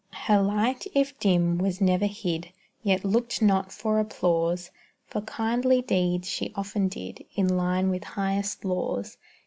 Her light, if dim, was never hid, Yet looked not for applause; For kindly deeds she often did, In line with highest laws.